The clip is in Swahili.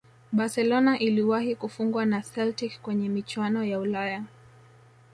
barcelona iliwahi kufungwa na celtic kwenye michuano ya ulaya